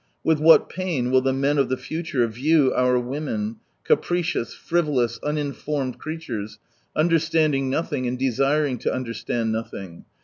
With what pain will the men of the future view our women, capricious, frivolous, uninformed creatures, understanding nothing and desiring to under stand nothing.